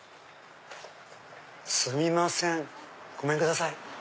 すみませんごめんください。